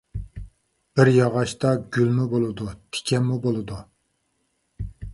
بىر ياغاچتا گۈلمۇ بولىدۇ، تىكەنمۇ بولىدۇ.